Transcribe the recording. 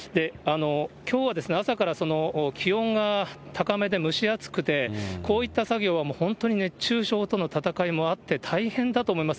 きょうは朝から気温が高めで、蒸し暑くて、こういった作業は本当に熱中症との戦いもあって、大変だと思います。